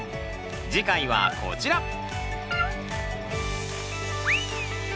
次回はこちら！